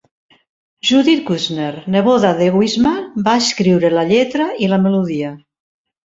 Judith Kushner, neboda de Wishman, va escriure la lletra i la melodia.